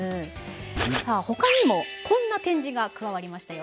さあほかにもこんな展示が加わりましたよ。